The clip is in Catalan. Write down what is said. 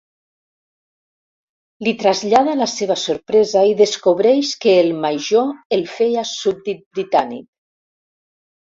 Li trasllada la seva sorpresa i descobreix que el major el feia súbdit britànic.